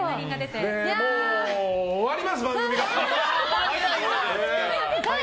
もう終わります、番組が。